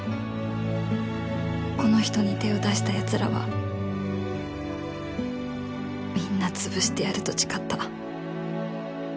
この人に手を出した奴らはみんな潰してやると誓った